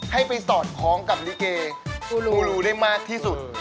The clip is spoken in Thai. ให้ไปสอดคล้องกับลิเกผู้รู้ได้มากที่สุด